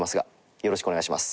よろしくお願いします。